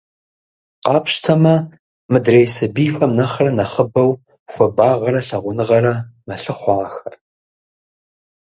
Къапщтэмэ, мыдрей сабийхэм нэхърэ нэхъыбэу хуабагъэрэ лъагъуныгъэрэ мэлъыхъуэ ахэр.